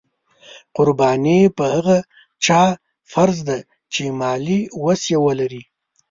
قرباني په هغه چا فرض ده چې مالي وس یې ولري.